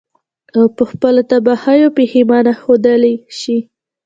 او په خپلو تباهيو ئې پښېمانه ښودلے شي.